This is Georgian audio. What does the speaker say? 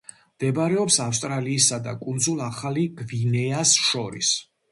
მდებარეობს ავსტრალიისა და კუნძულ ახალი გვინეას შორის.